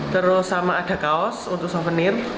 terus sama ada kaos untuk souvenir